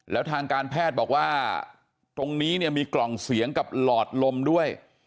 แล้วทางการแพทย์บอกว่าตรงนี้เนี่ยมีกล่องเสียงกับหลอดลมด้วย